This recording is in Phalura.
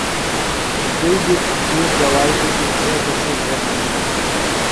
دُئیۡ بیۡ تُوش دوائیۡ دِتیۡ، تھےۡ تسی ڈھیۡر نمِلیۡ